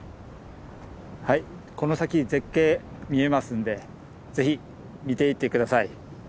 はいこの先絶景見えますんでぜひ見ていって下さい。